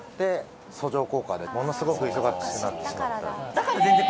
だから。